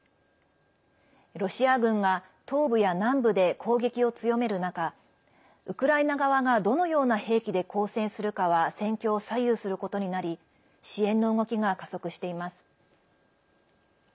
ロシア軍が東部や南部で攻撃を強める中ウクライナ側がどのような兵器で抗戦するかは戦況を左右することになり支援の動きが加速しています。